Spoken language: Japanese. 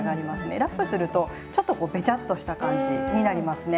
ラップするとちょっとこうべちゃっとした感じになりますね。